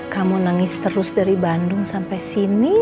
kamu nangis terus dari bandung sampai sini